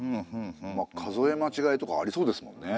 まあ数えまちがいとかありそうですもんね。